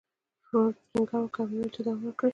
فورډ ټينګار وکړ او ويې ويل چې دوام ورکړئ.